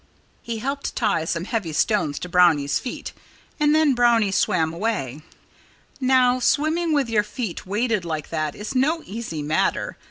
He helped tie some heavy stones to Brownie's feet. And then Brownie swam away. Now, swimming with your feet weighted like that is no easy matter.